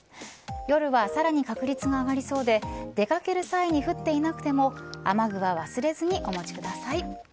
夜は、さらに確率が上がりそうで出掛ける際に降っていなくても雨具は忘れずにお持ちください。